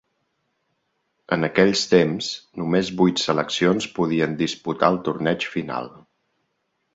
En aquells temps, només vuit seleccions podien disputar el torneig final.